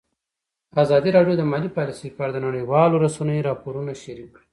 ازادي راډیو د مالي پالیسي په اړه د نړیوالو رسنیو راپورونه شریک کړي.